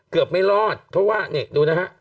ไม่รอดเพราะว่านี่ดูนะฮะ